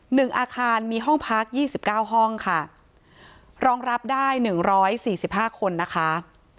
หนึ่งอาคารมีห้องพักยี่สิบเก้าห้องค่ะรองรับได้หนึ่งร้อยสี่สิบห้าคนนะคะ